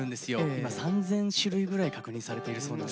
今３，０００種類ぐらい確認されているそうなんですが。